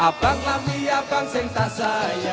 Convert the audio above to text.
apakah pilihan yang saksa